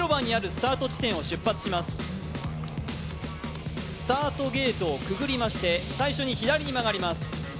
スタートゲートをくぐりまして最初に左に曲がります。